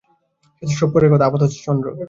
সে-সব তো পরের কথা, আপাতত– চন্দ্র।